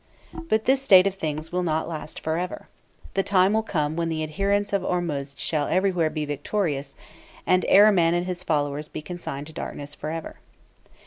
But this state of things will not last forever. The time will come when the adherents of Ormuzd shall everywhere be victorious, and Ahriman and his followers be consigned to darkness forever.